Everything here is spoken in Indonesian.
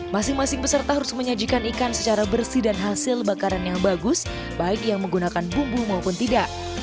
masing masing peserta harus menyajikan ikan secara bersih dan hasil bakaran yang bagus baik yang menggunakan bumbu maupun tidak